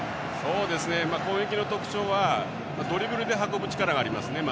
攻撃の特徴はドリブルで運ぶ力がありますね。